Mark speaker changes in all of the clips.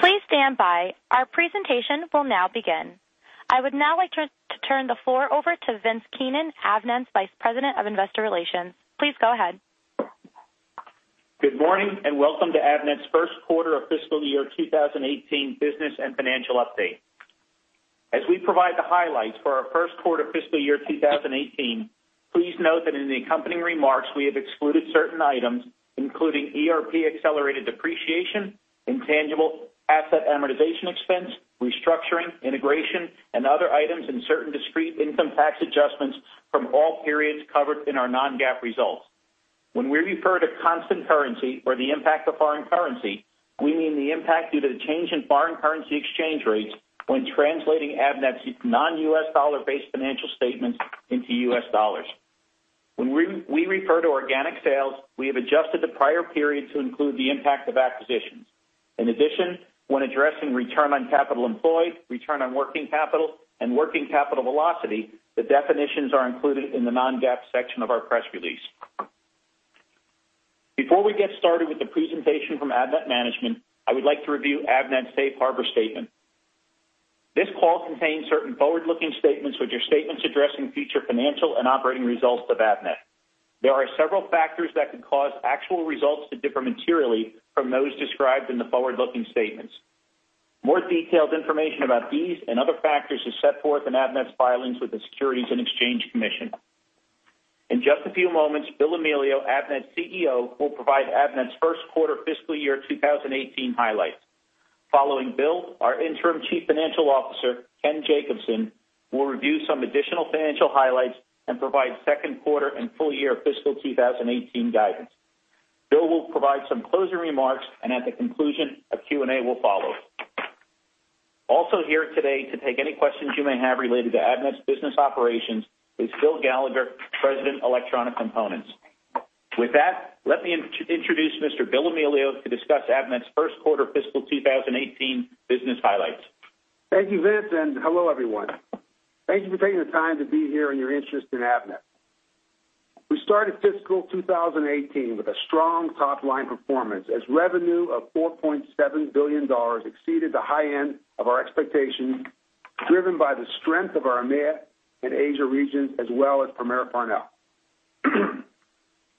Speaker 1: Please stand by. Our presentation will now begin. I would now like to turn the floor over to Vince Keenan, Avnet's Vice President of Investor Relations. Please go ahead.
Speaker 2: Good morning and welcome to Avnet's first quarter of fiscal year 2018 business and financial update. As we provide the highlights for our first quarter of fiscal year 2018, please note that in the accompanying remarks we have excluded certain items, including ERP accelerated depreciation, intangible asset amortization expense, restructuring, integration, and other items in certain discrete income tax adjustments from all periods covered in our non-GAAP results. When we refer to constant currency or the impact of foreign currency, we mean the impact due to the change in foreign currency exchange rates when translating Avnet's non-U.S. dollar-based financial statements into U.S. dollars. When we refer to organic sales, we have adjusted the prior period to include the impact of acquisitions. In addition, when addressing return on capital employed, return on working capital, and working capital velocity, the definitions are included in the non-GAAP section of our press release. Before we get started with the presentation from Avnet management, I would like to review Avnet's safe harbor statement. This call contains certain forward-looking statements which are statements addressing future financial and operating results of Avnet. There are several factors that could cause actual results to differ materially from those described in the forward-looking statements. More detailed information about these and other factors is set forth in Avnet's filings with the Securities and Exchange Commission. In just a few moments, Bill Amelio, Avnet's CEO, will provide Avnet's first quarter fiscal year 2018 highlights. Following Bill, our interim Chief Financial Officer, Ken Jacobson, will review some additional financial highlights and provide second quarter and full year fiscal 2018 guidance. Bill will provide some closing remarks, and at the conclusion, a Q&A will follow. Also here today to take any questions you may have related to Avnet's business operations is Phil Gallagher, President of Electronic Components. With that, let me introduce Mr. Bill Amelio to discuss Avnet's first quarter fiscal 2018 business highlights.
Speaker 3: Thank you, Vince, and hello everyone. Thank you for taking the time to be here and your interest in Avnet. We started fiscal 2018 with a strong top-line performance as revenue of $4.7 billion exceeded the high end of our expectations, driven by the strength of our EMEA and Asia regions, as well as Premier Farnell.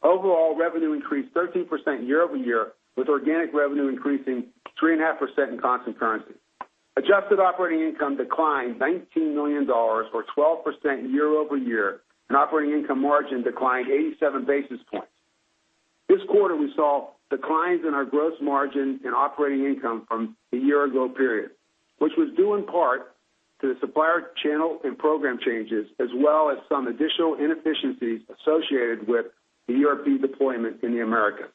Speaker 3: Overall revenue increased 13% year-over-year, with organic revenue increasing 3.5% in constant currency. Adjusted operating income declined $19 million, or 12% year-over-year, and operating income margin declined 87 basis points. This quarter we saw declines in our gross margin and operating income from the year-ago period, which was due in part to the supplier channel and program changes, as well as some additional inefficiencies associated with the ERP deployment in America.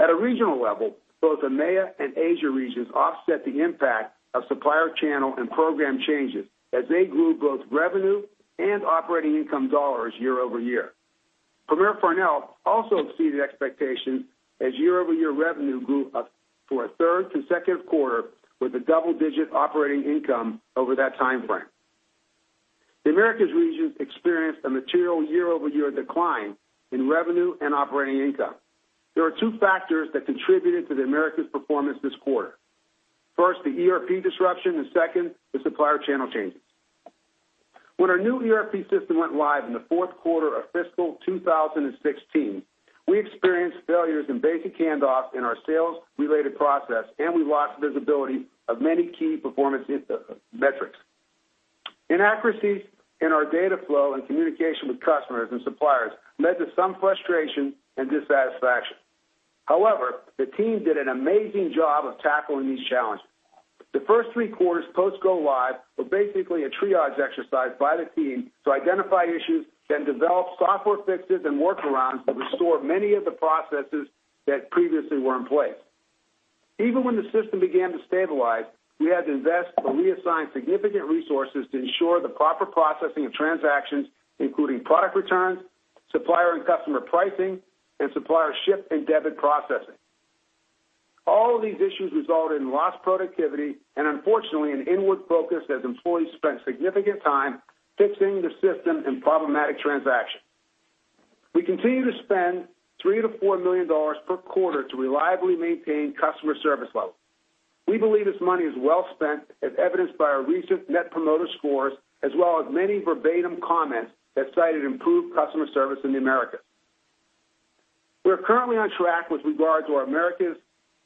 Speaker 3: At a regional level, both EMEA and Asia regions offset the impact of supplier channel and program changes as they grew both revenue and operating income dollars year-over-year. Premier Farnell also exceeded expectations as year-over-year revenue grew for a third consecutive quarter with a double-digit operating income over that time frame. The Americas regions experienced a material year-over-year decline in revenue and operating income. There are two factors that contributed to the Americas' performance this quarter. First, the ERP disruption, and second, the supplier channel changes. When our new ERP system went live in the fourth quarter of fiscal 2016, we experienced failures in basic handoffs in our sales-related process, and we lost visibility of many key performance metrics. Inaccuracies in our data flow and communication with customers and suppliers led to some frustration and dissatisfaction. However, the team did an amazing job of tackling these challenges. The first three quarters post-go-live were basically a triage exercise by the team to identify issues, then develop software fixes and workarounds to restore many of the processes that previously were in place. Even when the system began to stabilize, we had to invest or reassign significant resources to ensure the proper processing of transactions, including product returns, supplier and customer pricing, and supplier ship and debit processing. All of these issues resulted in lost productivity and, unfortunately, an inward focus as employees spent significant time fixing the system and problematic transactions. We continue to spend $3 million-$4 million per quarter to reliably maintain customer service levels. We believe this money is well spent, as evidenced by our recent net promoter scores, as well as many verbatim comments that cited improved customer service in the Americas. We are currently on track with regard to our Americas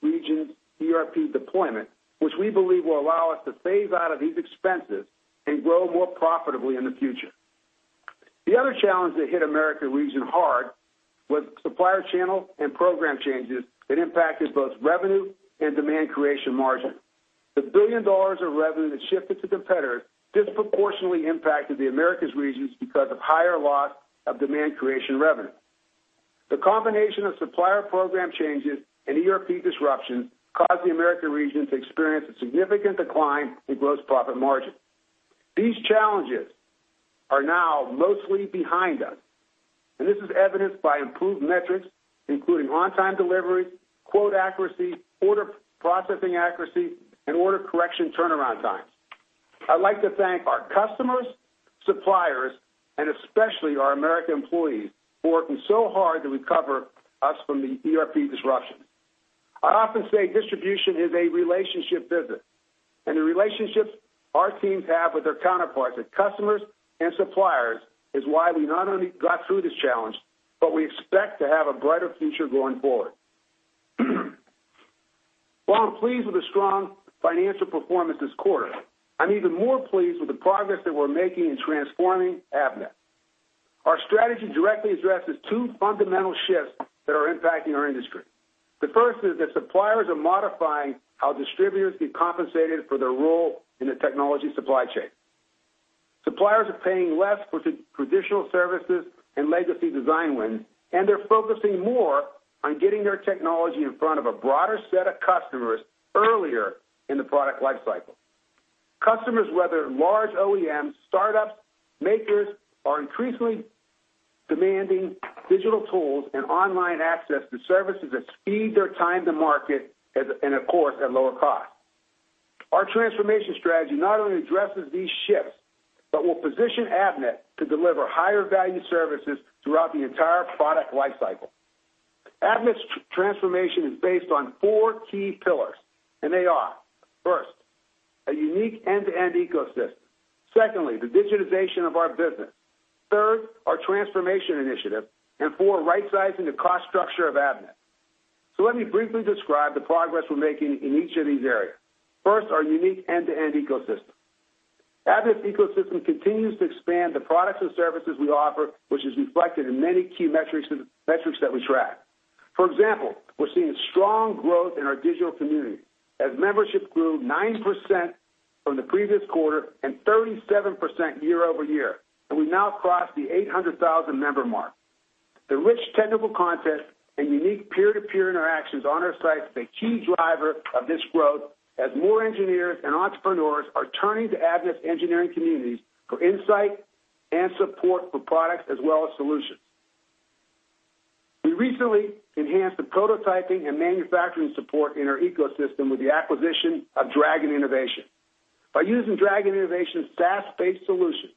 Speaker 3: region's ERP deployment, which we believe will allow us to phase out of these expenses and grow more profitably in the future. The other challenge that hit Americas region hard was supplier channel and program changes that impacted both revenue and demand creation margin. The $1 billion of revenue that shifted to competitors disproportionately impacted the Americas region because of higher loss of demand creation revenue. The combination of supplier program changes and ERP disruptions caused the Americas region to experience a significant decline in gross profit margin. These challenges are now mostly behind us, and this is evidenced by improved metrics, including on-time deliveries, quote accuracy, order processing accuracy, and order correction turnaround times. I'd like to thank our customers, suppliers, and especially our Americas employees who worked so hard to recover us from the ERP disruptions. I often say distribution is a relationship business, and the relationships our teams have with their counterparts at customers and suppliers is why we not only got through this challenge, but we expect to have a brighter future going forward. While I'm pleased with the strong financial performance this quarter, I'm even more pleased with the progress that we're making in transforming Avnet. Our strategy directly addresses two fundamental shifts that are impacting our industry. The first is that suppliers are modifying how distributors get compensated for their role in the technology supply chain. Suppliers are paying less for traditional services and legacy design wins, and they're focusing more on getting their technology in front of a broader set of customers earlier in the product lifecycle. Customers, whether large OEMs, startups, makers, are increasingly demanding digital tools and online access to services that speed their time to market and, of course, at lower cost. Our transformation strategy not only addresses these shifts but will position AVNET to deliver higher value services throughout the entire product lifecycle. AVNET's transformation is based on four key pillars, and they are: first, a unique end-to-end ecosystem. Secondly, the digitization of our business. Third, our transformation initiative. And four, right-sizing the cost structure of AVNET. So let me briefly describe the progress we're making in each of these areas. First, our unique end-to-end ecosystem. AVNET's ecosystem continues to expand the products and services we offer, which is reflected in many key metrics that we track. For example, we're seeing strong growth in our digital community as membership grew 9% from the previous quarter and 37% year-over-year, and we've now crossed the 800,000 member mark. The rich technical content and unique peer-to-peer interactions on our sites are a key driver of this growth as more engineers and entrepreneurs are turning to Avnet's engineering communities for insight and support for products as well as solutions. We recently enhanced the prototyping and manufacturing support in our ecosystem with the acquisition of Dragon Innovation. By using Dragon Innovation's SaaS-based solution,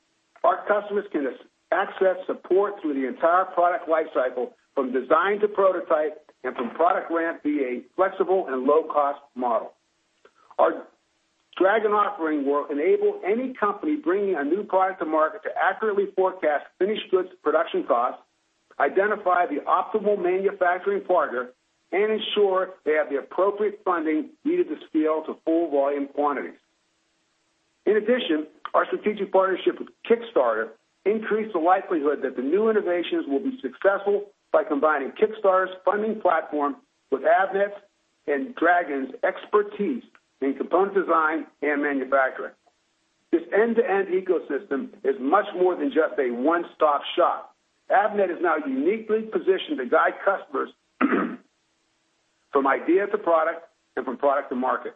Speaker 3: our customers can access support through the entire product lifecycle from design to prototype and from product ramp via a flexible and low-cost model. Our Dragon offering will enable any company bringing a new product to market to accurately forecast finished goods production costs, identify the optimal manufacturing partner, and ensure they have the appropriate funding needed to scale to full volume quantities. In addition, our strategic partnership with Kickstarter increased the likelihood that the new innovations will be successful by combining Kickstarter's funding platform with Avnet's and Dragon's expertise in component design and manufacturing. This end-to-end ecosystem is much more than just a one-stop shop. Avnet is now uniquely positioned to guide customers from idea to product and from product to market.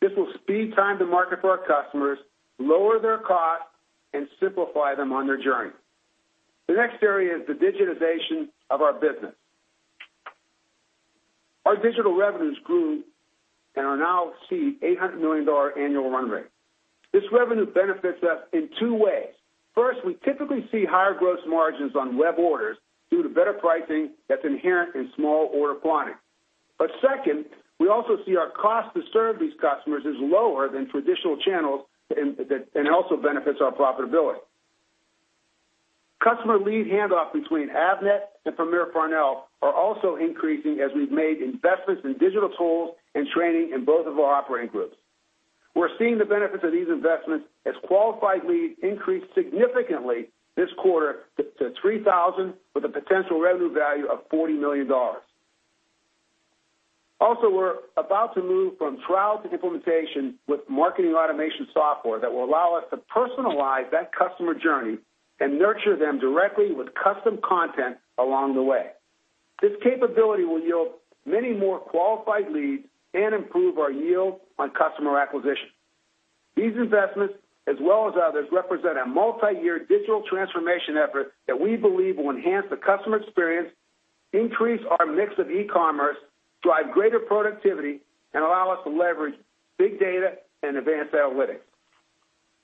Speaker 3: This will speed time to market for our customers, lower their costs, and simplify them on their journey. The next area is the digitization of our business. Our digital revenues grew and are now seeing an $800 million annual run rate. This revenue benefits us in two ways. First, we typically see higher gross margins on web orders due to better pricing that's inherent in small order quantity. But second, we also see our cost to serve these customers is lower than traditional channels and also benefits our profitability. Customer lead handoff between Avnet and Premier Farnell are also increasing as we've made investments in digital tools and training in both of our operating groups. We're seeing the benefits of these investments as qualified leads increased significantly this quarter to $3,000 with a potential revenue value of $40 million. Also, we're about to move from trial to implementation with marketing automation software that will allow us to personalize that customer journey and nurture them directly with custom content along the way. This capability will yield many more qualified leads and improve our yield on customer acquisition. These investments, as well as others, represent a multi-year digital transformation effort that we believe will enhance the customer experience, increase our mix of e-commerce, drive greater productivity, and allow us to leverage big data and advanced analytics.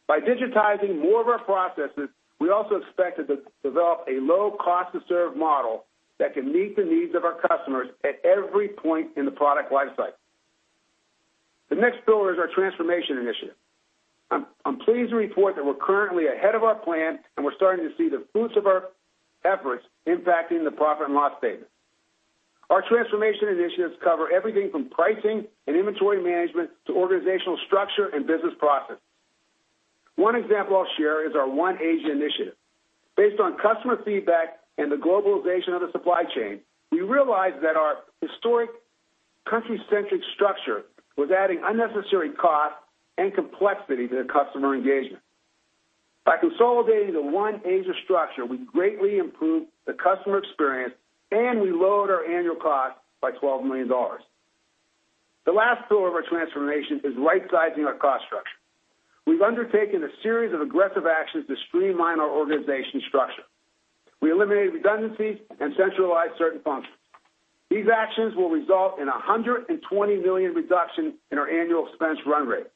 Speaker 3: By digitizing more of our processes, we also expect to develop a low-cost-to-serve model that can meet the needs of our customers at every point in the product lifecycle. The next pillar is our transformation initiative. I'm pleased to report that we're currently ahead of our plan, and we're starting to see the fruits of our efforts impacting the profit and loss statement. Our transformation initiatives cover everything from pricing and inventory management to organizational structure and business processes. One example I'll share is our OneAsia initiative. Based on customer feedback and the globalization of the supply chain, we realized that our historic country-centric structure was adding unnecessary costs and complexity to the customer engagement. By consolidating the OneAsia structure, we greatly improved the customer experience, and we lowered our annual cost by $12 million. The last pillar of our transformation is right-sizing our cost structure. We've undertaken a series of aggressive actions to streamline our organization structure. We eliminated redundancies and centralized certain functions. These actions will result in a $120 million reduction in our annual expense run rate.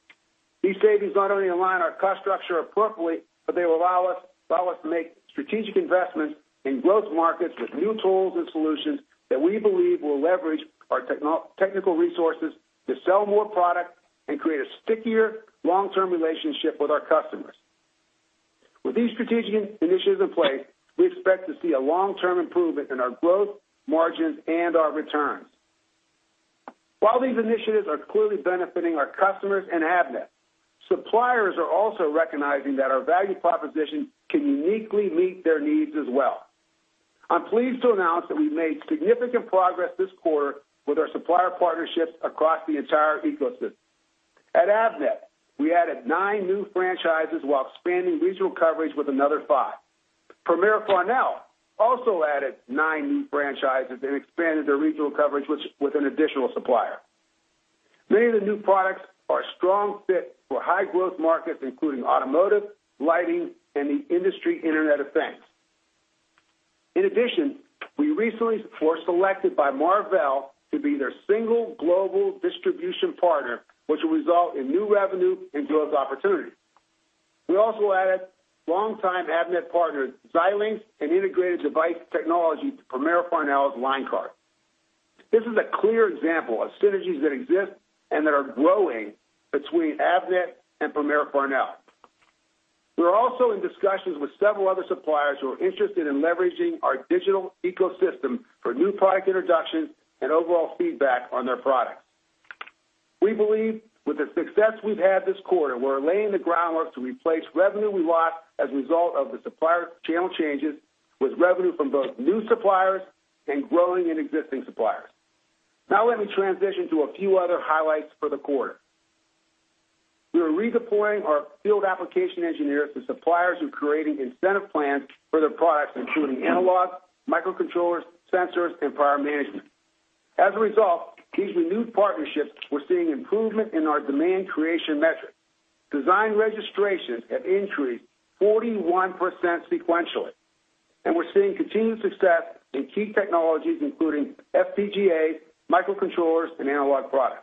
Speaker 3: These savings not only align our cost structure appropriately, but they will allow us to make strategic investments in growth markets with new tools and solutions that we believe will leverage our technical resources to sell more product and create a stickier long-term relationship with our customers. With these strategic initiatives in place, we expect to see a long-term improvement in our growth margins and our returns. While these initiatives are clearly benefiting our customers and Avnet, suppliers are also recognizing that our value proposition can uniquely meet their needs as well. I'm pleased to announce that we've made significant progress this quarter with our supplier partnerships across the entire ecosystem. At Avnet, we added nine new franchises while expanding regional coverage with another five. Premier Farnell also added nine new franchises and expanded their regional coverage with an additional supplier. Many of the new products are a strong fit for high-growth markets, including automotive, lighting, and the Industrial Internet of Things. In addition, we recently were selected by Marvell to be their single global distribution partner, which will result in new revenue and growth opportunities. We also added longtime Avnet partners Xilinx and Integrated Device Technology to Premier Farnell's line card. This is a clear example of synergies that exist and that are growing between Avnet and Premier Farnell. We're also in discussions with several other suppliers who are interested in leveraging our digital ecosystem for new product introductions and overall feedback on their products. We believe with the success we've had this quarter, we're laying the groundwork to replace revenue we lost as a result of the supplier channel changes with revenue from both new suppliers and growing and existing suppliers. Now let me transition to a few other highlights for the quarter. We are redeploying our field application engineers to suppliers who are creating incentive plans for their products, including analogs, microcontrollers, sensors, and power management. As a result, these renewed partnerships, we're seeing improvement in our demand creation metrics. Design registrations have increased 41% sequentially, and we're seeing continued success in key technologies, including FPGAs, microcontrollers, and analog products.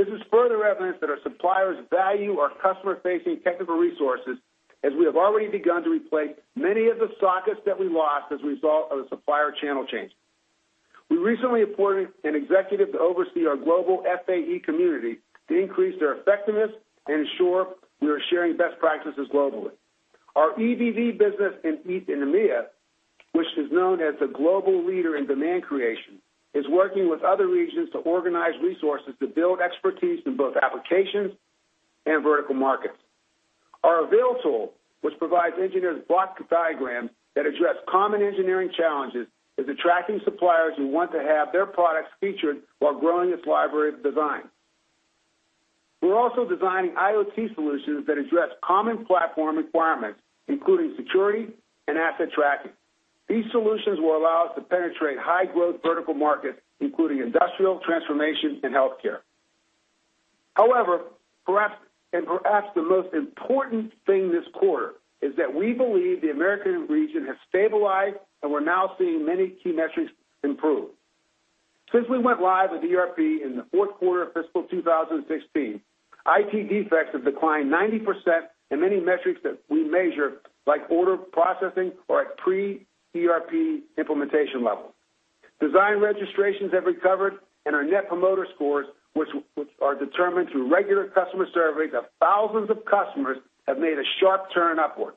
Speaker 3: This is further evidence that our suppliers value our customer-facing technical resources as we have already begun to replace many of the sockets that we lost as a result of the supplier channel change. We recently appointed an executive to oversee our global FAE community to increase their effectiveness and ensure we are sharing best practices globally. Our EBV business in EMEA, which is known as the global leader in demand creation, is working with other regions to organize resources to build expertise in both applications and vertical markets. Our Abacus tool, which provides engineers' block diagrams that address common engineering challenges, is attracting suppliers who want to have their products featured while growing its library of design. We're also designing IoT solutions that address common platform requirements, including security and asset tracking. These solutions will allow us to penetrate high-growth vertical markets, including industrial, transformation, and healthcare. However, perhaps the most important thing this quarter is that we believe the Americas region has stabilized, and we're now seeing many key metrics improve. Since we went live with ERP in the fourth quarter of fiscal 2016, IT defects have declined 90%, and many metrics that we measure, like order processing, are at pre-ERP implementation levels. Design registrations have recovered, and our net promoter scores, which are determined through regular customer surveys of thousands of customers, have made a sharp turn upward.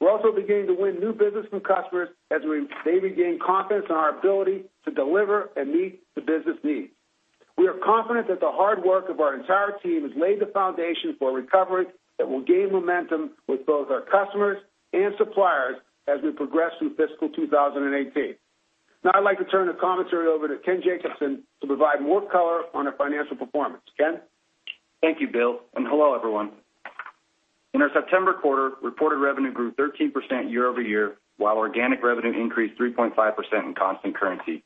Speaker 3: We're also beginning to win new business from customers as they regain confidence in our ability to deliver and meet the business needs. We are confident that the hard work of our entire team has laid the foundation for a recovery that will gain momentum with both our customers and suppliers as we progress through fiscal 2018. Now I'd like to turn the commentary over to Ken Jacobson to provide more color on our financial performance. Ken? Thank you, Bill. And hello, everyone. In our September quarter, reported revenue grew 13% year-over-year, while organic revenue increased 3.5% in constant currency.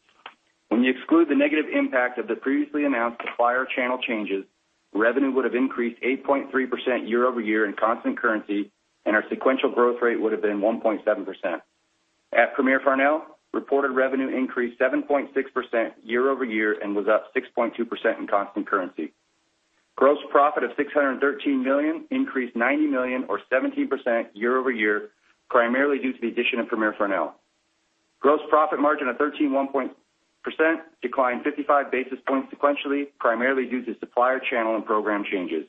Speaker 3: When you exclude the negative impact of the previously announced supplier channel changes, revenue would have increased 8.3% year-over-year in constant currency, and our sequential growth rate would have been 1.7%. At Premier Farnell, reported revenue increased 7.6% year-over-year and was up 6.2% in constant currency. Gross profit of $613 million increased $90 million, or 17% year-over-year, primarily due to the addition of Premier Farnell. Gross profit margin of 13.1% declined 55 basis points sequentially, primarily due to supplier channel and program changes.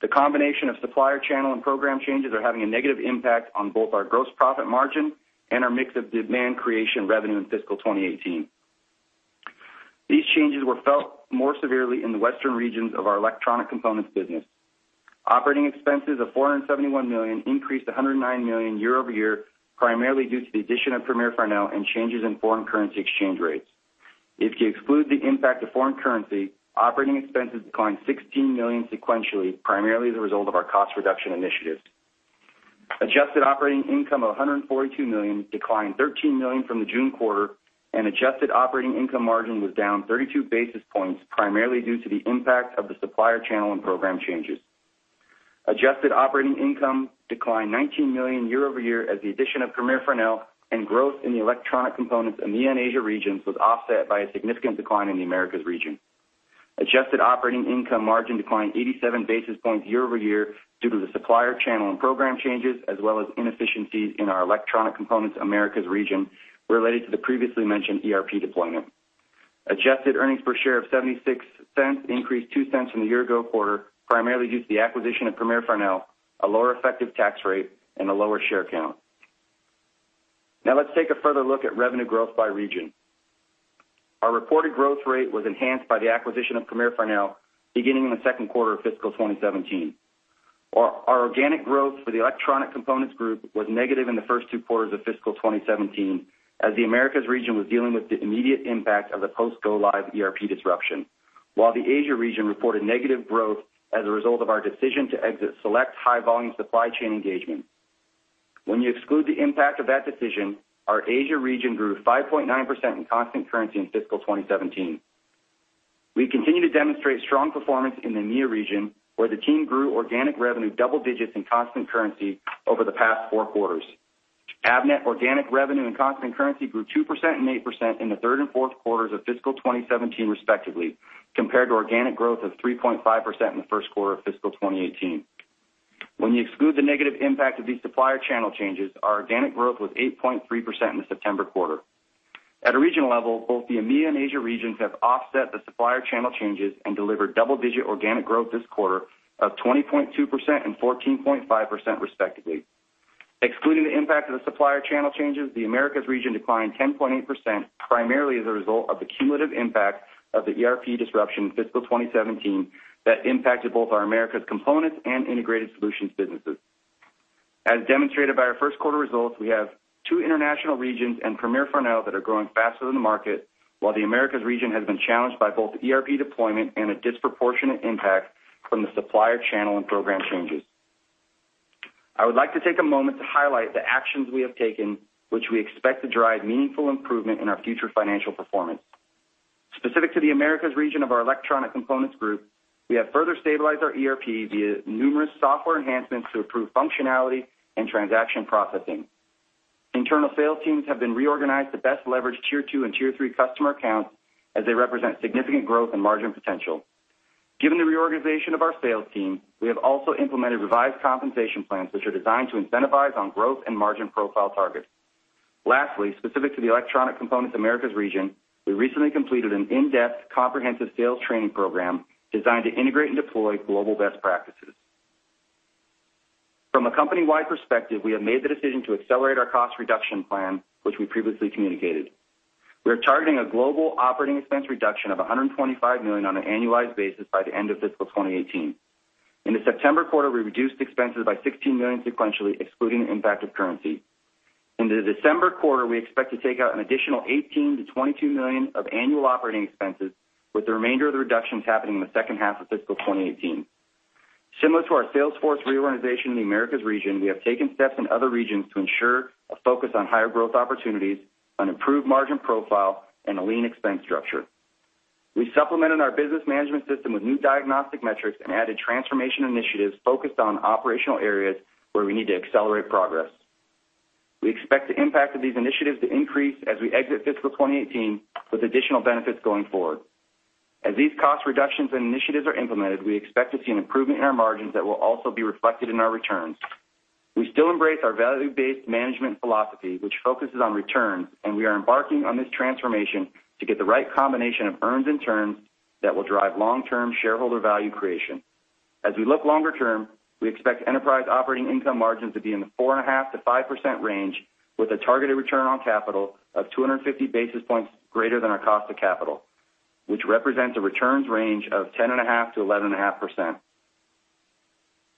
Speaker 3: The combination of supplier channel and program changes is having a negative impact on both our gross profit margin and our mix of demand creation revenue in fiscal 2018. These changes were felt more severely in the western regions of our electronic components business. Operating expenses of $471 million increased $109 million year over year, primarily due to the addition of Premier Farnell and changes in foreign currency exchange rates. If you exclude the impact of foreign currency, operating expenses declined $16 million sequentially, primarily as a result of our cost reduction initiatives. Adjusted operating income of $142 million declined $13 million from the June quarter, and adjusted operating income margin was down 32 basis points, primarily due to the impact of the supplier channel and program changes. Adjusted operating income declined $19 million year-over-year as the addition of Premier Farnell, and growth in the electronic components in the Asia regions was offset by a significant decline in the Americas region. Adjusted operating income margin declined 87 basis points year-over-year due to the supplier channel and program changes, as well as inefficiencies in our electronic components Americas region related to the previously mentioned ERP deployment. Adjusted earnings per share of $0.76 increased $0.02 from the year-ago quarter, primarily due to the acquisition of Premier Farnell, a lower effective tax rate, and a lower share count. Now let's take a further look at revenue growth by region. Our reported growth rate was enhanced by the acquisition of Premier Farnell beginning in the second quarter of fiscal 2017. Our organic growth for the electronic components group was negative in the first two quarters of fiscal 2017, as the America's region was dealing with the immediate impact of the post-go-live ERP disruption, while the Asia region reported negative growth as a result of our decision to exit select high-volume supply chain engagement. When you exclude the impact of that decision, our Asia region grew 5.9% in constant currency in fiscal 2017. We continue to demonstrate strong performance in the NEA region, where the team grew organic revenue double digits in constant currency over the past four quarters. Avnet organic revenue in constant currency grew 2% and 8% in the third and fourth quarters of fiscal 2017, respectively, compared to organic growth of 3.5% in the first quarter of fiscal 2018. When you exclude the negative impact of these supplier channel changes, our organic growth was 8.3% in the September quarter. At a regional level, both the NEA and Asia regions have offset the supplier channel changes and delivered double-digit organic growth this quarter of 20.2% and 14.5%, respectively. Excluding the impact of the supplier channel changes, the America's region declined 10.8%, primarily as a result of the cumulative impact of the ERP disruption in fiscal 2017 that impacted both our America's components and integrated solutions businesses. As demonstrated by our first quarter results, we have two international regions and Premier Farnell that are growing faster than the market, while the America's region has been challenged by both ERP deployment and a disproportionate impact from the supplier channel and program changes. I would like to take a moment to highlight the actions we have taken, which we expect to drive meaningful improvement in our future financial performance. Specific to the Americas region of our electronic components group, we have further stabilized our ERP via numerous software enhancements to improve functionality and transaction processing. Internal sales teams have been reorganized to best leverage tier two and tier three customer accounts, as they represent significant growth and margin potential. Given the reorganization of our sales team, we have also implemented revised compensation plans, which are designed to incentivize on growth and margin profile targets. Lastly, specific to the electronic components Americas region, we recently completed an in-depth comprehensive sales training program designed to integrate and deploy global best practices. From a company-wide perspective, we have made the decision to accelerate our cost reduction plan, which we previously communicated. We are targeting a global operating expense reduction of $125 million on an annualized basis by the end of fiscal 2018. In the September quarter, we reduced expenses by $16 million sequentially, excluding impact of currency. In the December quarter, we expect to take out an additional $18 million-$22 million of annual operating expenses, with the remainder of the reductions happening in the second half of fiscal 2018. Similar to our sales force reorganization in the America's region, we have taken steps in other regions to ensure a focus on higher growth opportunities, an improved margin profile, and a lean expense structure. We supplemented our business management system with new diagnostic metrics and added transformation initiatives focused on operational areas where we need to accelerate progress. We expect the impact of these initiatives to increase as we exit fiscal 2018, with additional benefits going forward. As these cost reductions and initiatives are implemented, we expect to see an improvement in our margins that will also be reflected in our returns. We still embrace our value-based management philosophy, which focuses on returns, and we are embarking on this transformation to get the right combination of earns and turns that will drive long-term shareholder value creation. As we look longer term, we expect enterprise operating income margins to be in the 4.5%-5% range, with a targeted return on capital of 250 basis points greater than our cost of capital, which represents a returns range of 10.5%-11.5%.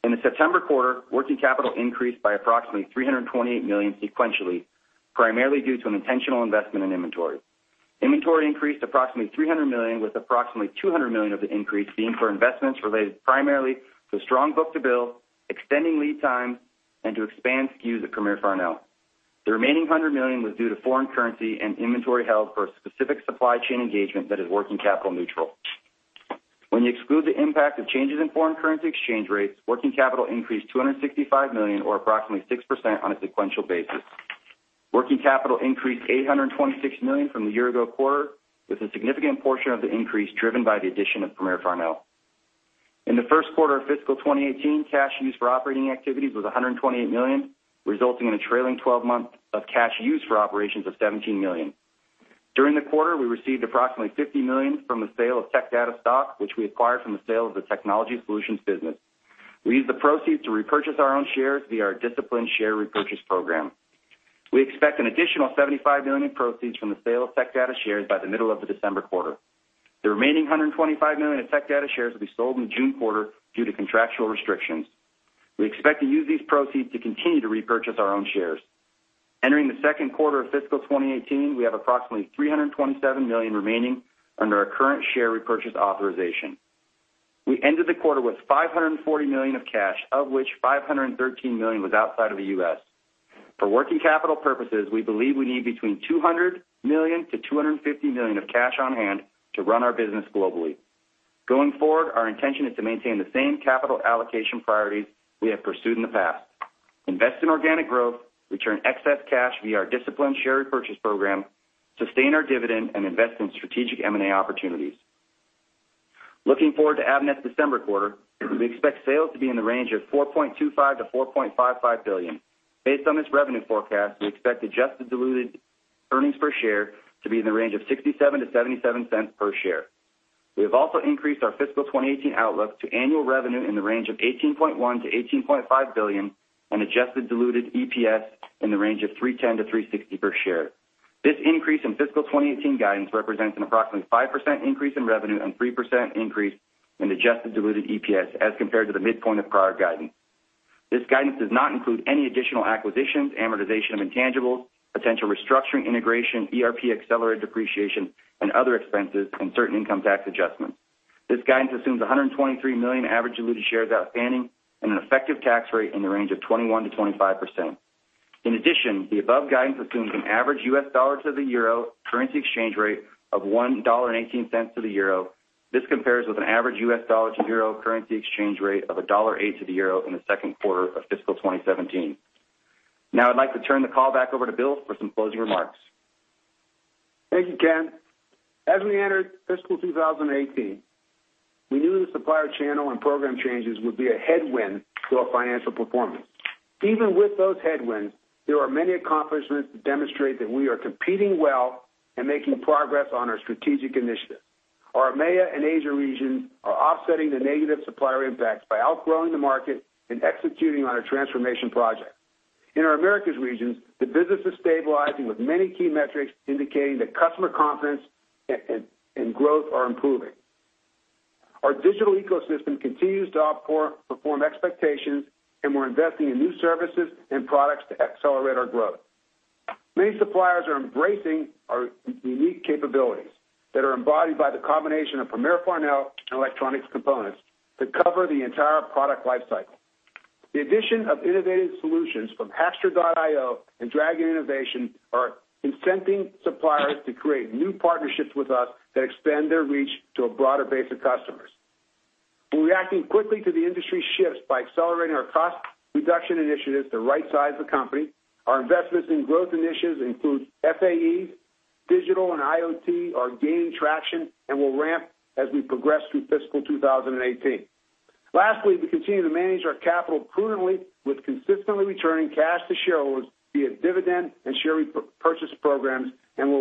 Speaker 3: In the September quarter, working capital increased by approximately $328 million sequentially, primarily due to an intentional investment in inventory. Inventory increased approximately $300 million, with approximately $200 million of the increase being for investments related primarily to strong book-to-bill, extending lead times, and to expand SKUs at Premier Farnell. The remaining $100 million was due to foreign currency and inventory held for a specific supply chain engagement that is working capital neutral. When you exclude the impact of changes in foreign currency exchange rates, working capital increased $265 million, or approximately 6% on a sequential basis. Working capital increased $826 million from the year ago quarter, with a significant portion of the increase driven by the addition of Premier Farnell. In the first quarter of fiscal 2018, cash used for operating activities was $128 million, resulting in a trailing 12-month of cash used for operations of $17 million. During the quarter, we received approximately $50 million from the sale of Tech Data stock, which we acquired from the sale of the technology solutions business. We used the proceeds to repurchase our own shares via our disciplined share repurchase program. We expect an additional $75 million proceeds from the sale of Tech Data shares by the middle of the December quarter. The remaining $125 million of Tech Data shares will be sold in the June quarter due to contractual restrictions. We expect to use these proceeds to continue to repurchase our own shares. Entering the second quarter of fiscal 2018, we have approximately $327 million remaining under our current share repurchase authorization. We ended the quarter with $540 million of cash, of which $513 million was outside of the U.S. For working capital purposes, we believe we need between $200 million-$250 million of cash on hand to run our business globally. Going forward, our intention is to maintain the same capital allocation priorities we have pursued in the past: invest in organic growth, return excess cash via our disciplined share repurchase program, sustain our dividend, and invest in strategic M&A opportunities. Looking forward to Avnet's December quarter, we expect sales to be in the range of $4.25 million to $4.55 billion. Based on this revenue forecast, we expect adjusted diluted earnings per share to be in the range of $0.67-$0.77 per share. We have also increased our fiscal 2018 outlook to annual revenue in the range of $18.1 million to $18.5 billion and adjusted diluted EPS in the range of $310 million-$360 million per share. This increase in fiscal 2018 guidance represents an approximately 5% increase in revenue and a 3% increase in adjusted diluted EPS, as compared to the midpoint of prior guidance. This guidance does not include any additional acquisitions, amortization of intangibles, potential restructuring integration, ERP accelerated depreciation, and other expenses, and certain income tax adjustments. This guidance assumes $123 million average diluted shares outstanding and an effective tax rate in the range of 21%-25%. In addition, the above guidance assumes an average US dollar to the euro currency exchange rate of $1.18 to the euro. This compares with an average US dollar to euro currency exchange rate of $1.08 to the euro in the second quarter of fiscal 2017. Now I'd like to turn the call back over to Bill for some closing remarks. Thank you, Ken. As we entered fiscal 2018, we knew the supplier channel and program changes would be a headwind to our financial performance. Even with those headwinds, there are many accomplishments to demonstrate that we are competing well and making progress on our strategic initiative. Our AMEA and Asia regions are offsetting the negative supplier impacts by outgrowing the market and executing on our transformation projects. In our Americas regions, the business is stabilizing, with many key metrics indicating that customer confidence and growth are improving. Our digital ecosystem continues to outperform expectations, and we're investing in new services and products to accelerate our growth. Many suppliers are embracing our unique capabilities that are embodied by the combination of Premier Farnell and electronic components to cover the entire product lifecycle. The addition of innovative solutions from Hackster.io and Dragon Innovation are incenting suppliers to create new partnerships with us that expand their reach to a broader base of customers. We're reacting quickly to the industry shifts by accelerating our cost reduction initiatives to right-size the company. Our investments in growth initiatives include FAEs. Digital and IoT are gaining traction and will ramp as we progress through fiscal 2018. Lastly, we continue to manage our capital prudently, with consistently returning cash to shareholders via dividend and share repurchase programs, and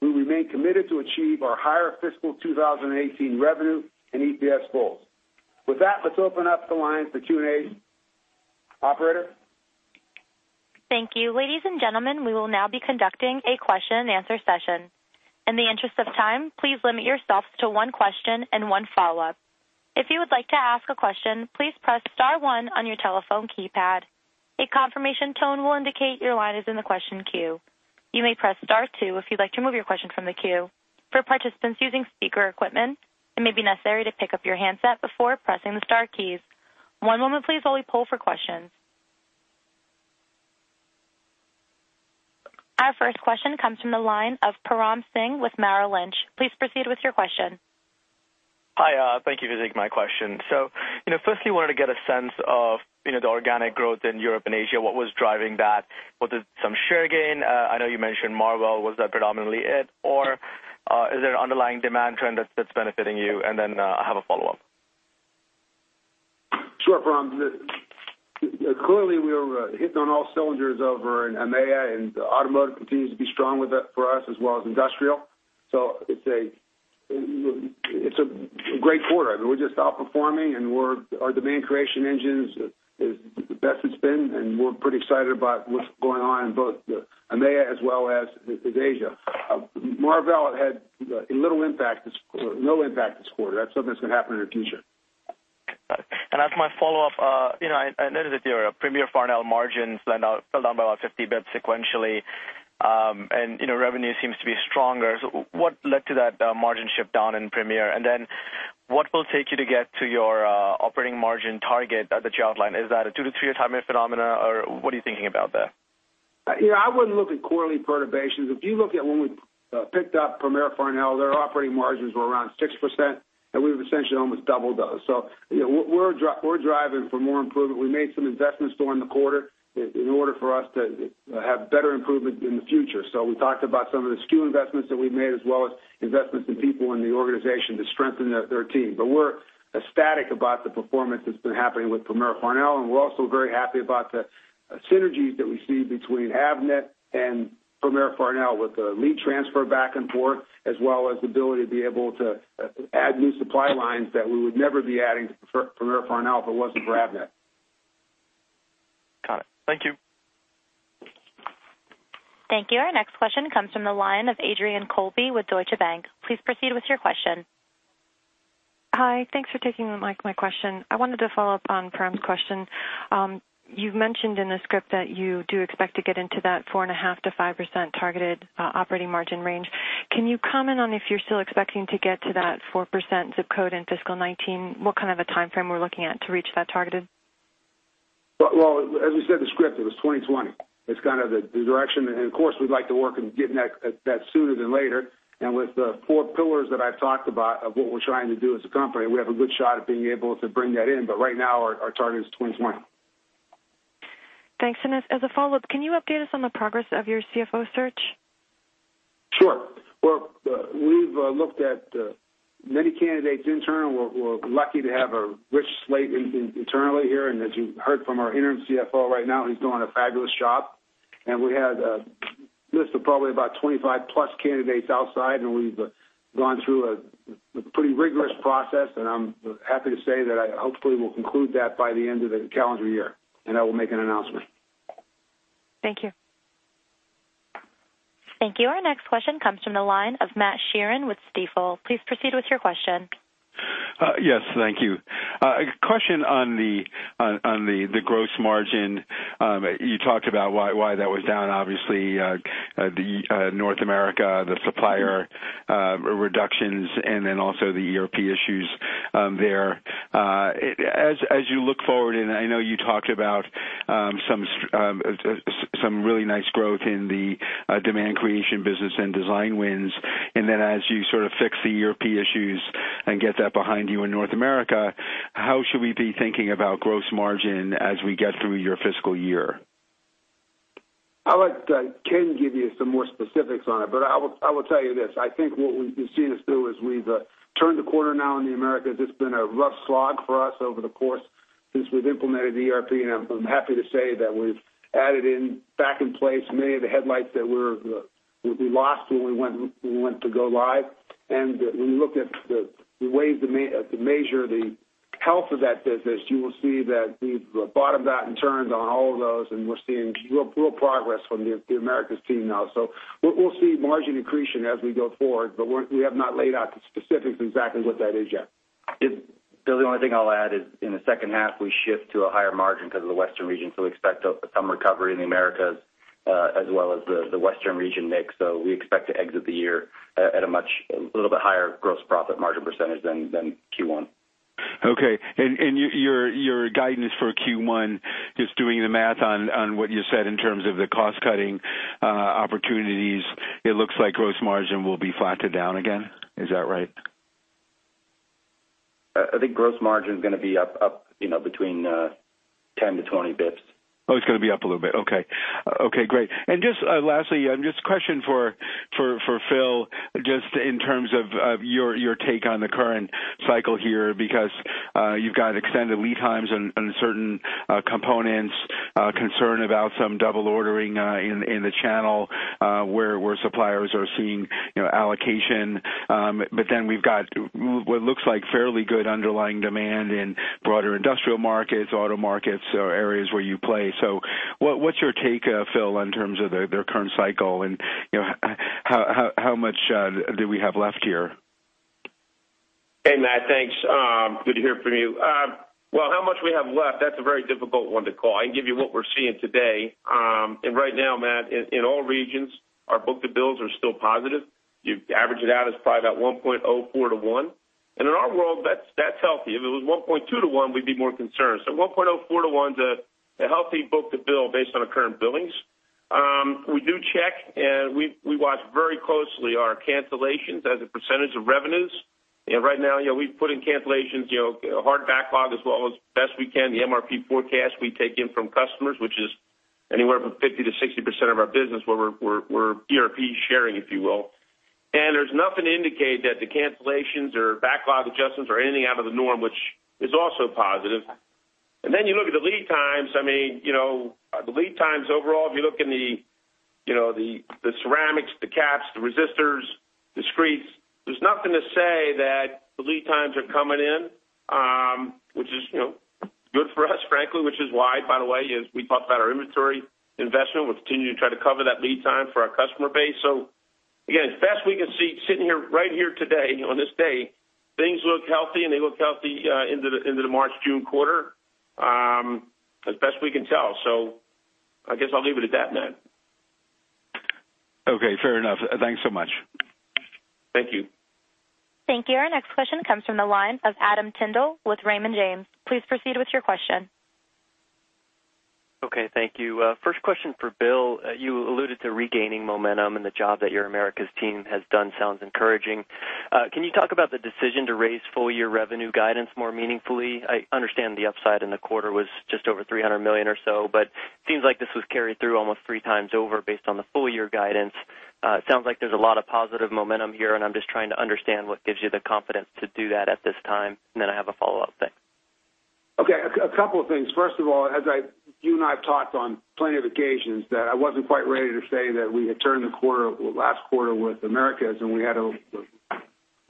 Speaker 3: we remain committed to achieve our higher fiscal 2018 revenue and EPS goals. With that, let's open up the lines for Q&A. Operator. Thank you. Ladies and gentlemen, we will now be conducting a question-and-answer session. In the interest of time, please limit yourselves to one question and one follow-up. If you would like to ask a question, please press Star 1 on your telephone keypad. A confirmation tone will indicate your line is in the question queue. You may press Star 2 if you'd like to remove your question from the queue. For participants using speaker equipment, it may be necessary to pick up your handset before pressing the Star keys. One moment, please. While we pull for questions. Our first question comes from the line of Param Singh with Merrill Lynch. Please proceed with your question. Hi. Thank you for taking my question. So, you know, firstly, I wanted to get a sense of, you know, the organic growth in Europe and Asia. What was driving that? Was it some share gain? I know you mentioned Marvell. Was that predominantly it? Or is there an underlying demand trend that's benefiting you? And then I have a follow-up. Sure. Clearly, we are hitting on all cylinders over in AMEA, and automotive continues to be strong for us, as well as industrial. So it's a great quarter. I mean, we're just outperforming, and our demand creation engine is the best it's been. And we're pretty excited about what's going on in both AMEA as well as Asia. Marvell had little impact, no impact this quarter. That's something that's going to happen in the future. And as my follow-up, you know, I noticed that your Premier Farnell margins fell down by about 50 basis points sequentially, and, you know, revenue seems to be stronger. So what led to that margin dip down in Premier? And then what will take you to get to your operating margin target that you outlined? Is that a two- to three-year time frame phenomenon, or what are you thinking about there? You know, I wouldn't look at quarterly perturbations. If you look at when we picked up Premier Farnell, their operating margins were around 6%, and we've essentially almost doubled those. So, you know, we're driving for more improvement. We made some investments during the quarter in order for us to have better improvement in the future. So we talked about some of the SKU investments that we've made, as well as investments in people in the organization to strengthen their team. But we're ecstatic about the performance that's been happening with Premier Farnell, and we're also very happy about the synergies that we see between AVNET and Premier Farnell with the lead transfer back and forth, as well as the ability to be able to add new supply lines that we would never be adding to Premier Farnell if it wasn't for AVNET. Got it. Thank you. Thank you. Our next question comes from the line of Adrian Colby with Deutsche Bank. Please proceed with your question. Hi. Thanks for taking my question. I wanted to follow up on Param's question. You've mentioned in the script that you do expect to get into that 4.5%-5% targeted operating margin range. Can you comment on if you're still expecting to get to that 4% zip code in fiscal 2019? What kind of a time frame we're looking at to reach that targeted? Well, as we said in the script, it was 2020. It's kind of the direction. And, of course, we'd like to work in getting that sooner than later. And with the four pillars that I've talked about of what we're trying to do as a company, we have a good shot at being able to bring that in. But right now, our target is 2020. Thanks. As a follow-up, can you update us on the progress of your CFO search? Sure. Well, we've looked at many candidates internally. We're lucky to have a rich slate internally here. And as you've heard from our interim CFO right now, he's doing a fabulous job. And we had a list of probably about 25+ candidates outside, and we've gone through a pretty rigorous process. And I'm happy to say that I hopefully will conclude that by the end of the calendar year, and I will make an announcement. Thank you. Thank you. Our next question comes from the line of Matt Sheeran with Stifel. Please proceed with your question. Yes. Thank you. A question on the gross margin. You talked about why that was down, obviously, North America, the supplier reductions, and then also the ERP issues there. As you look forward, and I know you talked about some really nice growth in the demand creation business and design wins. And then as you sort of fix the ERP issues and get that behind you in North America, how should we be thinking about gross margin as we get through your fiscal year? I'd like Ken to give you some more specifics on it, but I will tell you this. I think what we've seen is, too, is we've turned the quarter now in the Americas. It's been a rough slog for us over the course since we've implemented the ERP, and I'm happy to say that we've added in, back in place, many of the headlights that we lost when we went to go live. And when you look at the ways to measure the health of that business, you will see that we've bottomed out and turned on all of those, and we're seeing real progress from the Americas team now. So we'll see margin accretion as we go forward, but we have not laid out the specifics exactly what that is yet. Bill, the only thing I'll add is in the second half, we shift to a higher margin because of the Western region. So we expect some recovery in the Americas as well as the Western region mix. So we expect to exit the year at a much little bit higher gross profit margin percentage than Q1. Okay. And your guidance for Q1, just doing the math on what you said in terms of the cost-cutting opportunities, it looks like gross margin will be flattened down again. Is that right? I think gross margin is going to be up, you know, between 10-20 basis points. Oh, it's going to be up a little bit. Okay. Okay. Great. And just lastly, just a question for Phil, just in terms of your take on the current cycle here, because you've got extended lead times on certain components, concern about some double ordering in the channel where suppliers are seeing allocation. But then we've got what looks like fairly good underlying demand in broader industrial markets, auto markets, areas where you play. So what's your take, Phil, in terms of their current cycle, and how much do we have left here? Hey, Matt. Thanks. Good to hear from you. Well, how much we have left, that's a very difficult one to call. I can give you what we're seeing today. And right now, Matt, in all regions, our book to bills are still positive. You average it out, it's probably about 1.04-1. And in our world, that's healthy. If it was 1.2-1, we'd be more concerned. So 1.04-1 is a healthy book to bill based on our current billings. We do check, and we watch very closely our cancellations as a percentage of revenues. And right now, you know, we've put in cancellations, you know, hard backlog as well as best we can. The MRP forecast we take in from customers, which is anywhere from 50%-60% of our business where we're ERP sharing, if you will. And there's nothing to indicate that the cancellations or backlog adjustments are anything out of the norm, which is also positive. And then you look at the lead times. I mean, you know, the lead times overall, if you look in the, you know, the ceramics, the caps, the resistors, the discretes, there's nothing to say that the lead times are coming in, which is, you know, good for us, frankly, which is why, by the way, we talked about our inventory investment. We're continuing to try to cover that lead time for our customer base. So again, as best we can see, sitting here right here today, on this day, things look healthy, and they look healthy into the March-June quarter, as best we can tell. So I guess I'll leave it at that, Matt. Okay. Fair enough. Thanks so much. Thank you. Thank you. Our next question comes from the line of Adam Tyndall with Raymond James. Please proceed with your question. Okay. Thank you. First question for Bill. You alluded to regaining momentum, and the job that your Americas team has done sounds encouraging. Can you talk about the decision to raise full-year revenue guidance more meaningfully? I understand the upside in the quarter was just over $300 million or so, but it seems like this was carried through almost three times over based on the full-year guidance. It sounds like there's a lot of positive momentum here, and I'm just trying to understand what gives you the confidence to do that at this time. And then I have a follow-up thing. Okay. A couple of things. First of all, as you and I have talked on plenty of occasions, that I wasn't quite ready to say that we had turned the corner last quarter with Americas, and we had to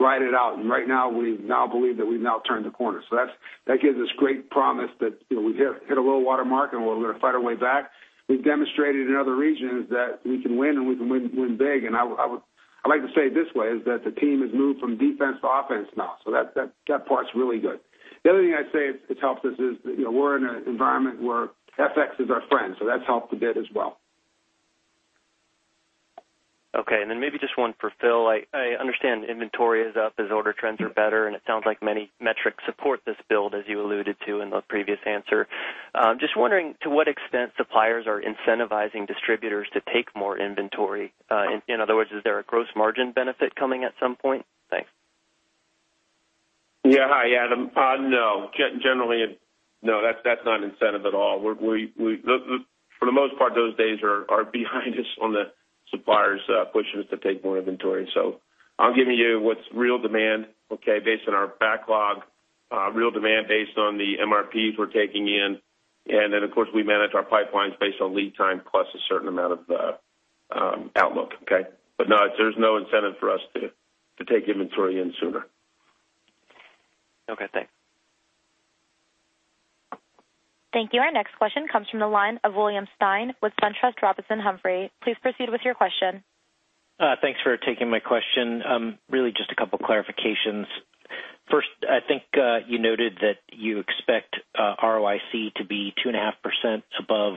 Speaker 3: ride it out. And right now, we now believe that we've now turned the corner. So that gives us great promise that we hit a little watermark, and we're going to fight our way back. We've demonstrated in other regions that we can win, and we can win big. And I like to say it this way, is that the team has moved from defense to offense now. So that part's really good. The other thing I'd say it's helped us is, you know, we're in an environment where FX is our friend. So that's helped a bit as well. Okay. And then maybe just one for Phil. I understand inventory is up as order trends are better, and it sounds like many metrics support this build, as you alluded to in the previous answer. Just wondering to what extent suppliers are incentivizing distributors to take more inventory. In other words, is there a gross margin benefit coming at some point? Thanks. Yeah. Hi, Adam. No. Generally, no, that's not incentive at all. For the most part, those days are behind us on the suppliers' pushes to take more inventory. So I'm giving you what's real demand, okay, based on our backlog, real demand based on the MRPs we're taking in. And then, of course, we manage our pipelines based on lead time plus a certain amount of outlook. Okay? But no, there's no incentive for us to take inventory in sooner. Okay. Thanks. Thank you. Our next question comes from the line of William Stein with SunTrust Robinson Humphrey. Please proceed with your question. Thanks for taking my question. Really just a couple of clarifications. First, I think you noted that you expect ROIC to be 2.5% above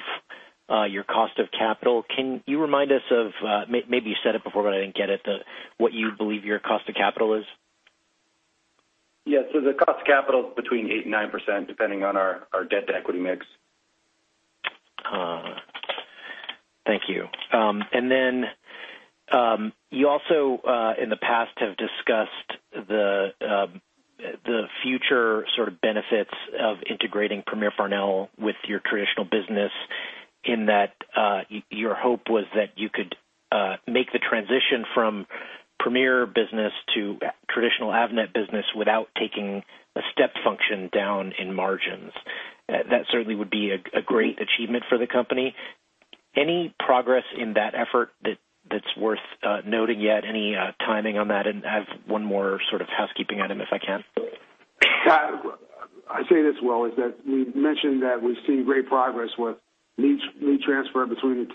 Speaker 3: your cost of capital. Can you remind us of, maybe you said it before, but I didn't get it, what you believe your cost of capital is? Yeah. So the cost of capital is between 8% and 9%, depending on our debt to equity mix. Thank you. And then you also, in the past, have discussed the future sort of benefits of integrating Premier Farnell with your traditional business in that your hope was that you could make the transition from Premier business to traditional AVNET business without taking a step function down in margins. That certainly would be a great achievement for the company. Any progress in that effort that's worth noting yet? Any timing on that? And I have one more sort of housekeeping, Adam, if I can. I say this, well, is that we mentioned that we've seen great progress with lead transfer between the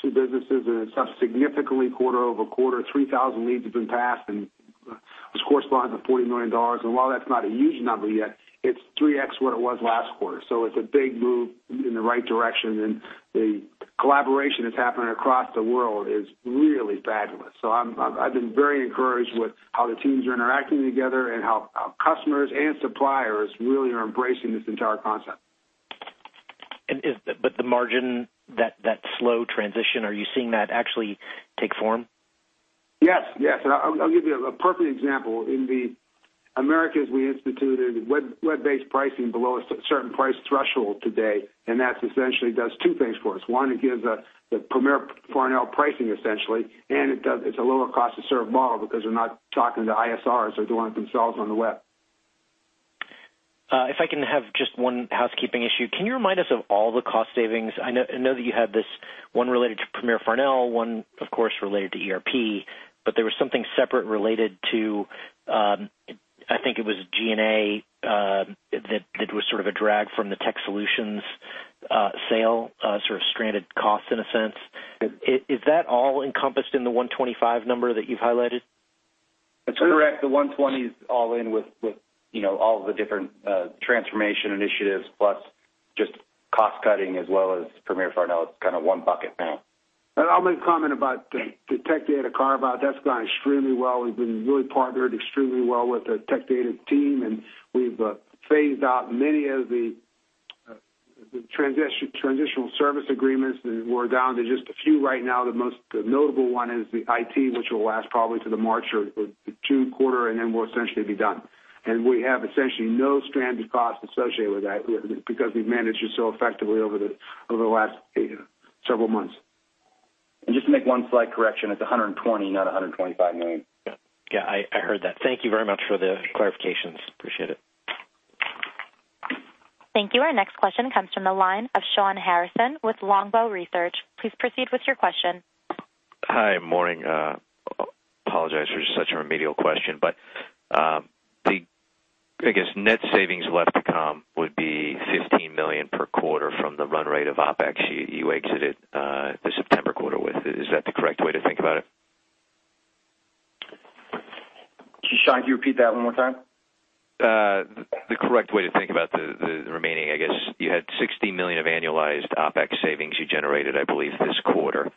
Speaker 3: two businesses, and it's up significantly quarter-over-quarter. 3,000 leads have been passed, and it's corresponding to $40 million. While that's not a huge number yet, it's 3x what it was last quarter. So it's a big move in the right direction. The collaboration that's happening across the world is really fabulous. So I've been very encouraged with how the teams are interacting together and how customers and suppliers really are embracing this entire concept. Is the margin, that slow transition, are you seeing that actually take form? Yes. Yes. I'll give you a perfect example. In the Americas, we instituted web-based pricing below a certain price threshold today, and that essentially does two things for us. One, it gives the Premier Farnell pricing essentially, and it's a lower cost-to-serve model because we're not talking to ISRs or doing it themselves on the web. If I can have just one housekeeping issue. Can you remind us of all the cost savings? I know that you had this one related to Premier Farnell, one, of course, related to ERP, but there was something separate related to, I think it was G&A, that was sort of a drag from the tech solutions sale, sort of stranded costs in a sense. Is that all encompassed in the $125 number that you've highlighted? That's correct. The $120 is all in with all of the different transformation initiatives plus just cost-cutting as well as Premier Farnell. It's kind of one bucket now. I'll make a comment about the Tech Data carve-out. That's gone extremely well. We've been really partnered extremely well with the Tech Data team, and we've phased out many of the transitional service agreements, and we're down to just a few right now. The most notable one is the IT, which will last probably to the March or June quarter, and then we'll essentially be done. And we have essentially no stranded costs associated with that because we've managed it so effectively over the last several months. And just to make one slight correction, it's $120 million, not $125 million. Yeah. Yeah. I heard that. Thank you very much for the clarifications. Appreciate it. Thank you. Our next question comes from the line of Sean Harrison with Longbow Research. Please proceed with your question. Hi. Morning. apologize for such a remedial question, but the, I guess, net savings left to come would be $15 million per quarter from the run rate of OpEx you exited the September quarter with. Is that the correct way to think about it? Sean, can you repeat that one more time? The correct way to think about the remaining, I guess, you had $60 million of annualized OpEx savings you generated, I believe, this quarter.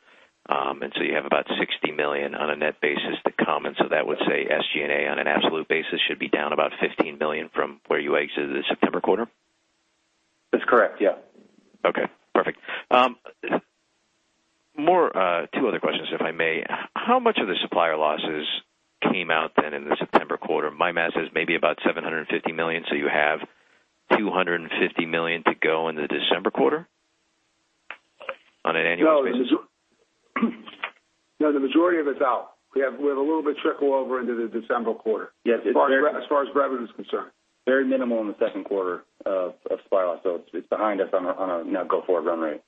Speaker 3: And so you have about $60 million on a net basis to come. And so that would say SG&A on an absolute basis should be down about $15 million from where you exited the September quarter. That's correct. Yeah. Okay. Perfect. Two other questions, if I may. How much of the supplier losses came out then in the September quarter? My math says maybe about $750 million. So you have $250 million to go in the December quarter on an annual basis? No. The majority of it's out. We have a little bit of trickle over into the December quarter. As far as revenue is concerned, very minimal in the second quarter of supplier loss. So it's behind us on a now-go-forward run rate.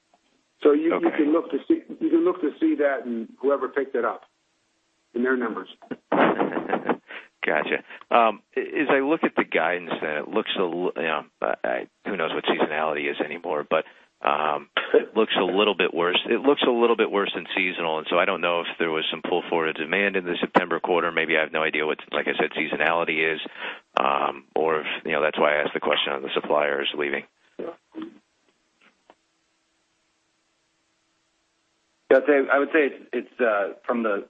Speaker 3: So you can look to see that in whoever picked it up in their numbers. Gotcha. As I look at the guidance then, it looks a little. Who knows what seasonality is anymore. But it looks a little bit worse. It looks a little bit worse than seasonal. And so I don't know if there was some pull forward of demand in the September quarter. Maybe I have no idea what, like I said, seasonality is, or if that's why I asked the question on the suppliers leaving. Yeah. I would say it's from the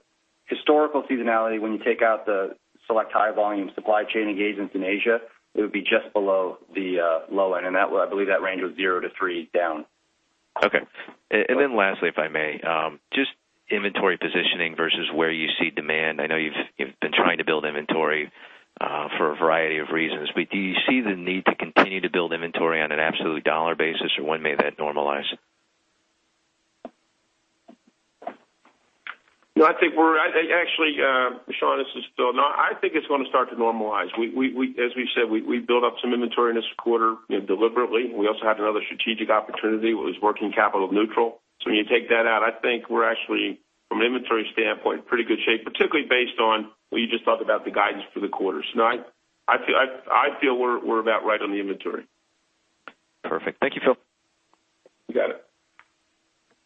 Speaker 3: historical seasonality when you take out the select high-volume supply chain engagements in Asia, it would be just below the low end. I believe that range was 0-3 down. Okay. And then lastly, if I may, just inventory positioning versus where you see demand. I know you've been trying to build inventory for a variety of reasons, but do you see the need to continue to build inventory on an absolute dollar basis, or when may that normalize? No, I think we're actually, Sean, this is Phil. No, I think it's going to start to normalize. As we said, we built up some inventory in this quarter deliberately. We also had another strategic opportunity. It was working capital neutral. So when you take that out, I think we're actually, from an inventory standpoint, in pretty good shape, particularly based on what you just talked about, the guidance for the quarter. So I feel we're about right on the inventory. Perfect. Thank you, Phil. You got it.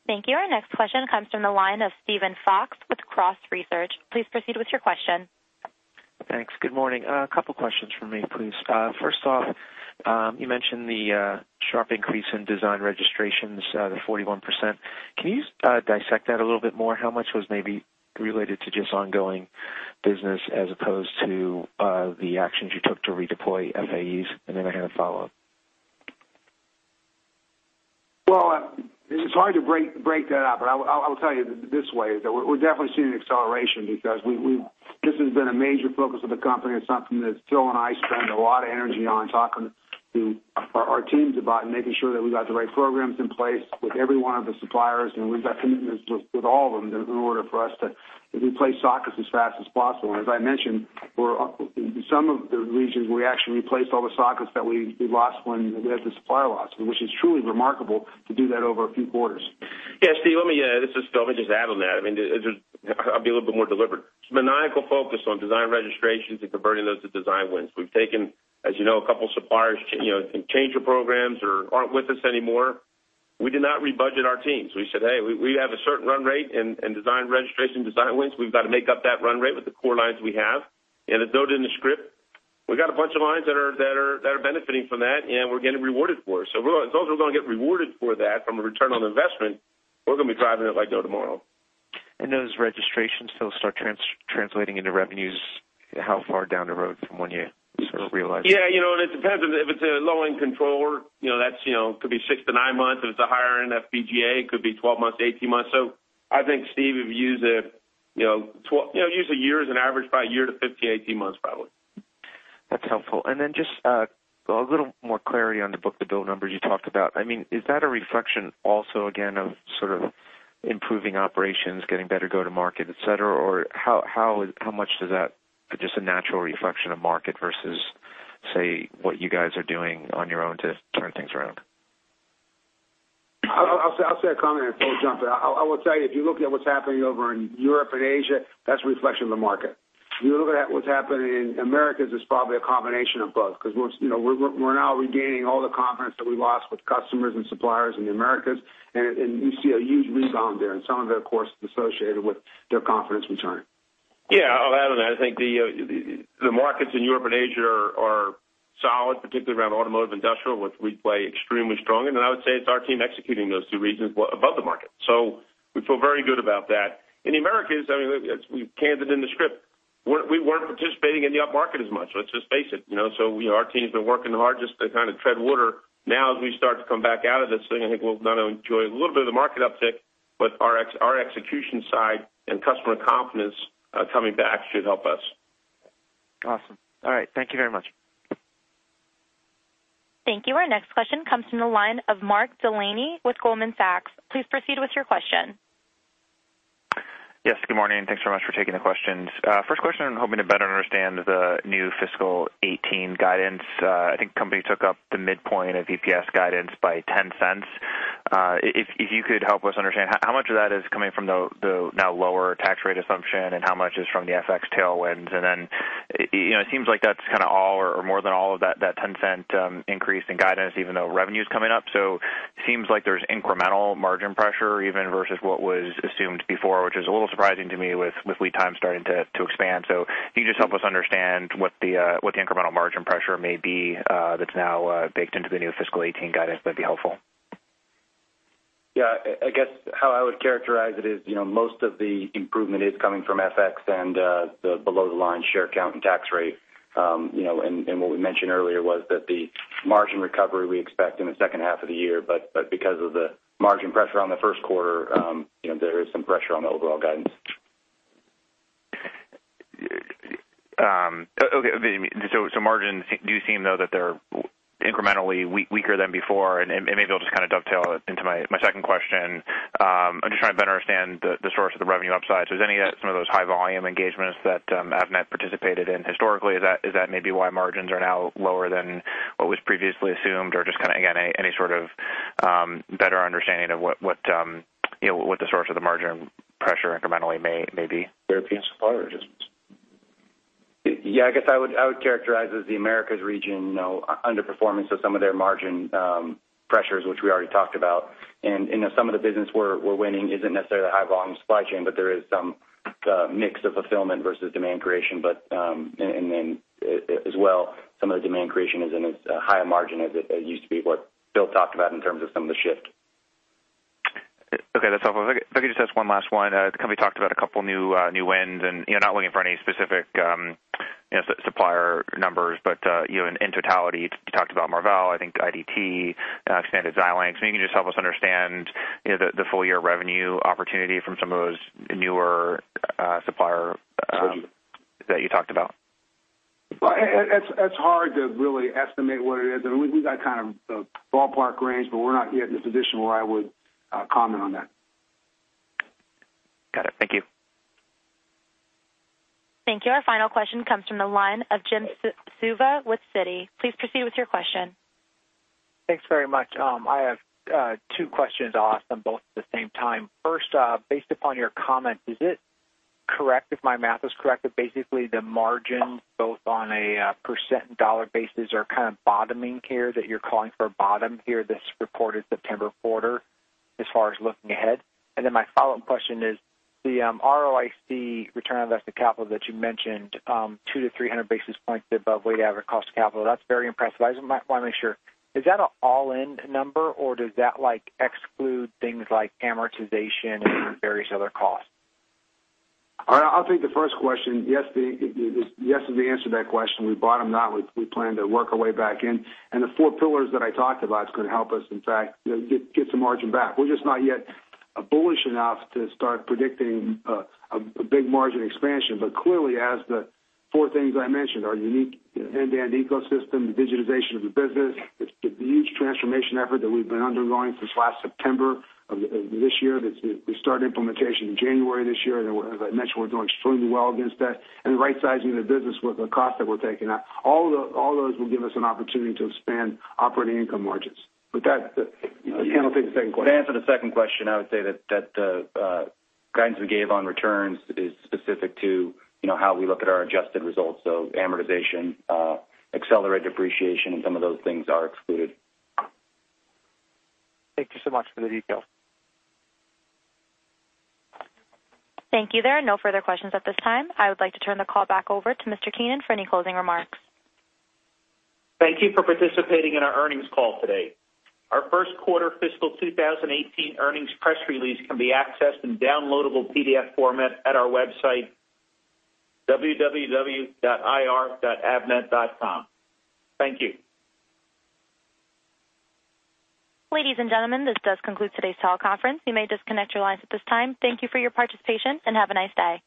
Speaker 3: Thank you. Our next question comes from the line of Stephen Fox with Cross Research. Please proceed with your question. Thanks. Good morning. A couple of questions for me, please. First off, you mentioned the sharp increase in design registrations, the 41%. Can you dissect that a little bit more? How much was maybe related to just ongoing business as opposed to the actions you took to redeploy FAEs? And then I have a follow-up. Well, it's hard to break that out, but I will tell you this way is that we're definitely seeing acceleration because this has been a major focus of the company. It's something that Phil and I spend a lot of energy on, talking to our teams about and making sure that we got the right programs in place with every one of the suppliers. And we've got commitments with all of them in order for us to replace sockets as fast as possible. And as I mentioned, some of the regions we actually replaced all the sockets that we lost when we had the supplier loss, which is truly remarkable to do that over a few quarters. Yeah. Steve, let me. This is Phil. Let me just add on that. I mean, I'll be a little bit more deliberate. Maniacal focus on design registrations and converting those to design wins. We've taken, as you know, a couple of suppliers and changed their programs or aren't with us anymore. We did not rebudget our teams. We said, "Hey, we have a certain run rate and design registration design wins. We've got to make up that run rate with the core lines we have." It's noted in the script. We got a bunch of lines that are benefiting from that, and we're getting rewarded for it. As long as we're going to get rewarded for that from a return on investment, we're going to be driving it like no tomorrow. And those registrations still start translating into revenues how far down the road from when you sort of realize? Yeah. And it depends. If it's a low-end controller, that could be 6-9 months. If it's a higher-end FPGA, it could be 12-18 months. So I think, Steve, if you use a year as an average, probably a year to 15-18 months, probably. That's helpful. And then just a little more clarity on the book-to-bill numbers you talked about. I mean, is that a reflection also, again, of sort of improving operations, getting better go-to-market, etc.? Or how much does that just a natural reflection of market versus, say, what you guys are doing on your own to turn things around? I'll say a comment before we jump in. I will tell you, if you look at what's happening over in Europe and Asia, that's a reflection of the market. If you look at what's happening in Americas, it's probably a combination of both because we're now regaining all the confidence that we lost with customers and suppliers in the Americas. You see a huge rebound there, and some of that, of course, is associated with their confidence return. Yeah. I'll add on that. I think the markets in Europe and Asia are solid, particularly around automotive industrial, which we play extremely strong in. I would say it's our team executing those two regions above the market. So we feel very good about that. In the Americas, I mean, we've been candid in the script. We weren't participating in the upmarket as much. Let's just face it. So our team has been working hard just to kind of tread water now as we start to come back out of this thing. I think we'll not only enjoy a little bit of the market uptick, but our execution side and customer confidence coming back should help us. Awesome. All right. Thank you very much. Thank you. Our next question comes from the line of Mark Delaney with Goldman Sachs. Please proceed with your question. Yes. Good morning. Thanks very much for taking the questions. First question, I'm hoping to better understand the new fiscal 2018 guidance. I think the company took up the midpoint of EPS guidance by $0.10. If you could help us understand how much of that is coming from the now lower tax rate assumption and how much is from the FX tailwinds? And then it seems like that's kind of all or more than all of that $0.10 increase in guidance, even though revenue is coming up. So it seems like there's incremental margin pressure even versus what was assumed before, which is a little surprising to me with lead time starting to expand. So can you just help us understand what the incremental margin pressure may be that's now baked into the new fiscal 2018 guidance? That'd be helpful. Yeah. I guess how I would characterize it is most of the improvement is coming from FX and the below-the-line share count and tax rate. And what we mentioned earlier was that the margin recovery we expect in the second half of the year, but because of the margin pressure on the first quarter, there is some pressure on the overall guidance. Okay. So margins do seem, though, that they're incrementally weaker than before. And maybe I'll just kind of dovetail into my second question. I'm just trying to better understand the source of the revenue upside. So is any of that some of those high-volume engagements that Avnet participated in historically? Is that maybe why margins are now lower than what was previously assumed? Or just kind of, again, any sort of better understanding of what the source of the margin pressure incrementally may be? European supplier margins. Yeah. I guess I would characterize as the Americas region underperformance of some of their margin pressures, which we already talked about. And some of the business we're winning isn't necessarily high-volume supply chain, but there is some mix of fulfillment versus demand creation. And then as well, some of the demand creation isn't as high a margin as it used to be what Phil talked about in terms of some of the shift. Okay. That's helpful. If I could just ask one last one. The company talked about a couple of new wins and not looking for any specific supplier numbers, but in totality, you talked about Marvell, I think IDT, expanded Xilinx. Can you just help us understand the full-year revenue opportunity from some of those newer suppliers that you talked about? That's hard to really estimate what it is. I mean, we got kind of a ballpark range, but we're not yet in a position where I would comment on that. Got it. Thank you. Thank you. Our final question comes from the line of Jim Suva with Citi. Please proceed with your question. Thanks very much. I have two questions. I'll ask them both at the same time. First, based upon your comment, is it correct, if my math is correct, that basically the margins both on a percent and dollar basis are kind of bottoming here that you're calling for a bottom here this reported September quarter as far as looking ahead? And then my follow-up question is the ROIC, return on invested capital that you mentioned, 2-300 basis points above weighted average cost of capital. That's very impressive. I just want to make sure. Is that an all-in number, or does that exclude things like amortization and various other costs? I think the first question, yes, is the answer to that question. We bottomed out. We plan to work our way back in. And the four pillars that I talked about are going to help us, in fact, get some margin back. We're just not yet bullish enough to start predicting a big margin expansion. But clearly, as the four things I mentioned, our unique end-to-end ecosystem, the digitization of the business, the huge transformation effort that we've been undergoing since last September of this year, we started implementation in January this year. As I mentioned, we're doing extremely well against that. And the right-sizing of the business with the cost that we're taking out. All those will give us an opportunity to expand operating income margins. But I'll take the second question. To answer the second question, I would say that the guidance we gave on returns is specific to how we look at our adjusted results. So amortization, accelerated depreciation, and some of those things are excluded. Thank you so much for the details. Thank you. There are no further questions at this time. I would like to turn the call back over to Mr. Keenan for any closing remarks. Thank you for participating in our earnings call today. Our first quarter fiscal 2018 earnings press release can be accessed in downloadable PDF format at our website, www.ir.avnet.com. Thank you. Ladies and gentlemen, this does conclude today's teleconference. You may disconnect your lines at this time. Thank you for your participation and have a nice day.